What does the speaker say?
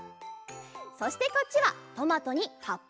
そしてこっちは「トマト」に「はっぱっぱのハーッ！」